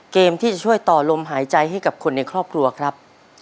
เกมที่จะช่วยต่อลมหายใจให้กับคนในครอบครัวครับ